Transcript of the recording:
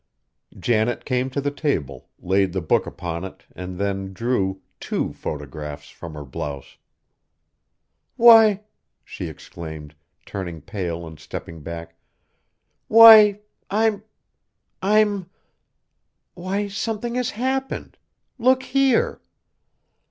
Janet came to the table, laid the book upon it, and then drew two photographs from her blouse! "Why!" she exclaimed, turning pale and stepping back, "why! I'm I'm why, something has happened. Look here!"